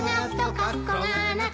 「かっこうがなく」